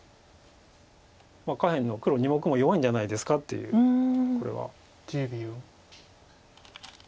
下辺の黒２目も弱いんじゃないですかっていうこれは。